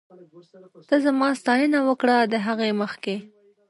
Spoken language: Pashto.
ته زما ستاينه وکړه ، د هغې مخکې